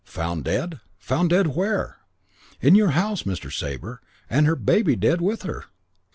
"Found dead? Found dead? Where?" "In your house, Mr. Sabre. And her baby, dead with her."